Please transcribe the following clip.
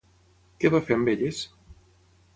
Què va fer amb elles?